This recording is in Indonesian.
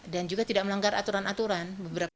dan juga tidak melanggar aturan aturan